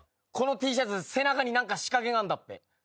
このＴシャツ背中に何か仕掛けがあんだっぺ？